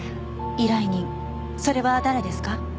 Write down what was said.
依頼人それは誰ですか？